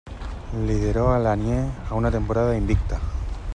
Lideró a Lanier a una temporada invicta.